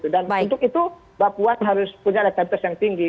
dan untuk itu mbak puan harus punya elektabilitas yang tinggi